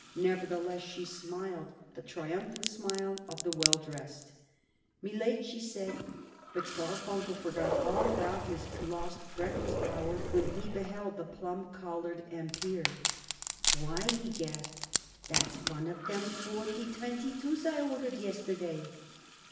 Nevertheless, she smiled the triumphant smile of the well dressed. "Me late," she said, but Garfunkel forgot all about his lost breakfast hour when he beheld the plum color Empire. "Why," he gasped, "that's one of them forty twenty two's I ordered yesterday."